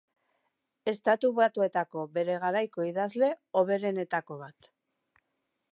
Estatu Batuetako bere garaiko idazle hoberenetako bat.